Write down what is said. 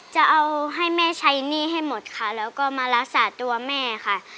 จะเอาให้แม่ใช้หนี้ให้หมดค่ะแล้วก็มารักษาตัวแม่ค่ะ